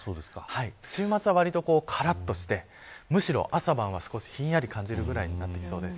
週末はわりとからっとしてむしろ朝晩は少しひんやり感じるくらいになってきそうです。